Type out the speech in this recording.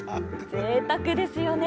ぜいたくですよね。